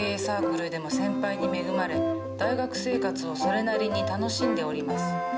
サークルでも先輩に恵まれ大学生活をそれなりに楽しんでおります。